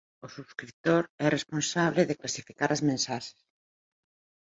O subscritor é responsable de clasificar as mensaxes.